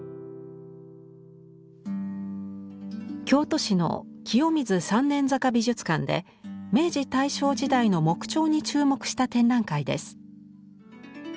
京都市の清水三年坂美術館で明治・大正時代の木彫に注目した展覧会です。